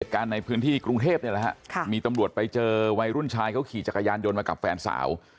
การในพื้นที่กรุงเทพนี่แหละฮะมีตำรวจไปเจอวัยรุ่นชายเขาขี่จักรยานยนต์มากับแฟนสาว